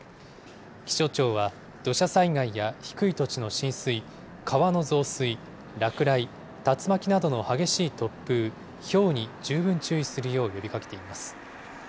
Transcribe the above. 気象庁は、土砂災害や低い土地の浸水、川の増水、落雷、竜巻などの激しい突風、ひょうに十分注意するよう呼びかけています。